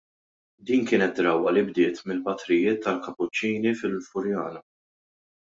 Din kienet drawwa li bdiet mill-Patrijiet tal-Kapuċċini fil-Furjana.